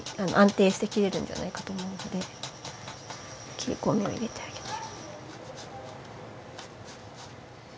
切りこみを入れてあげて。